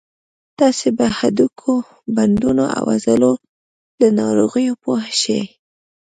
تاسې به د هډوکو، بندونو او عضلو له ناروغیو پوه شئ.